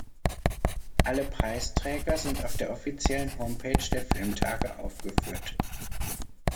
Alle Preisträger sind auf der offiziellen Homepage der Filmtage aufgeführt.